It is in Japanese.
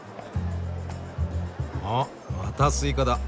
あまたスイカだ。